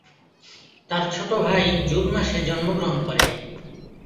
তার ছোট ভাই জুন মাসে জন্মগ্রহণ করে।